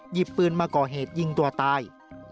ปืนมาก่อเหตุยิงตัวตาย